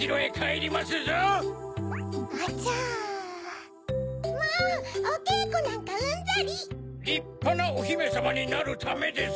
りっぱなおひめさまになるためです。